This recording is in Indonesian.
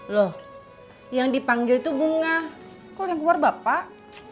loh yang dipanggil itu bunga kol yang keluar bapak